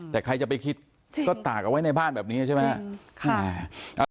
แต่ใครจะไปคิดก็ตากเอาไว้ในบ้านแบบนี้ใช่ไหม